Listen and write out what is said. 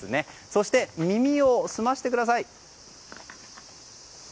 そして、耳を澄ましてください。